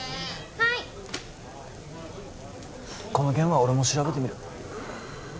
はいこの件は俺も調べてみる